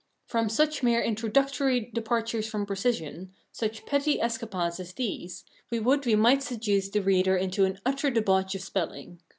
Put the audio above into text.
From such mere introductory departures from precision, such petty escapades as these, we would we might seduce the reader into an utter debauch of spelling.